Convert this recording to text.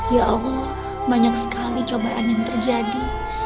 ya allah banyak sekali cobaan yang terjadi